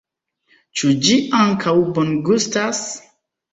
Ĉu ĝi ankaŭ bongustas?